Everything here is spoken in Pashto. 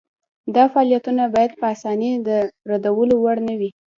دا فعالیتونه باید په اسانۍ د ردولو وړ نه وي.